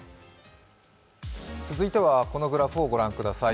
続いてはこのグラフをご覧ください。